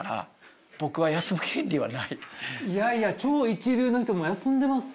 いやいや超一流の人も休んでますよね。